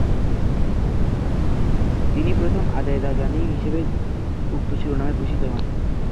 তিনি প্রথম আজারবাইজানি হিসেবে উক্ত শিরোনামে ভূষিত হন।